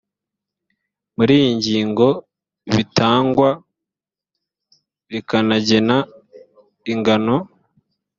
muri iyi ngingo bitangwa rikanagena ingano